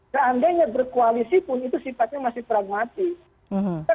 seandainya berkoalisi pun itu sifatnya masih pragmatis